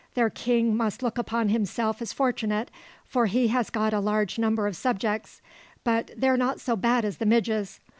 "Their king must look upon himself as fortunate, for he has got a large number of subjects; but they're not so bad as the midges.